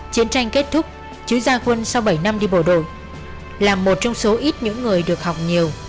chiến tranh kết thúc chứ gia quân sau bảy năm đi bộ đội là một trong số ít những người được học nhiều